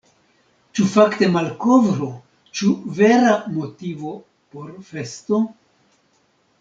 Ĉu fakte malkovro, ĉu vera motivo por festo?